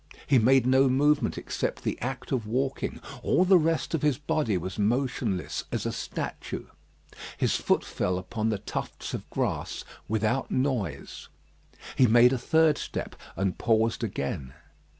He made no movement except the act of walking; all the rest of his body was motionless as a statue. His foot fell upon the tufts of grass without noise. He made a third step, and paused again.